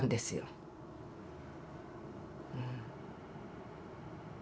うん。